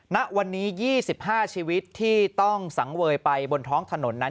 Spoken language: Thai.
ณวันนี้๒๕ชีวิตที่ต้องสังเวยไปบนท้องถนนนั้น